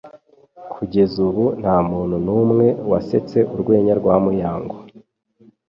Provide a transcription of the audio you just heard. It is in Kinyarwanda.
Kugeza ubu, nta muntu numwe wasetse urwenya rwa Mugabo.